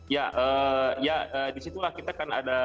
ya di situlah kita kan ada